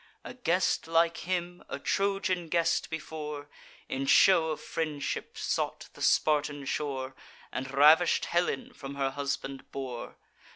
A guest like him, a Trojan guest before, In shew of friendship sought the Spartan shore, And ravish'd Helen from her husband bore.